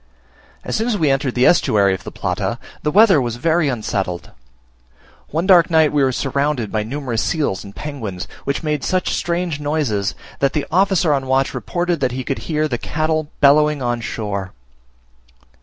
As soon as we entered the estuary of the Plata, the weather was very unsettled. One dark night we were surrounded by numerous seals and penguins, which made such strange noises, that the officer on watch reported he could hear the cattle bellowing on shore.